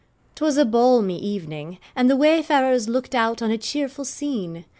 'Twas a balmy evening, and the wayfarers looked out on a cheerful scene.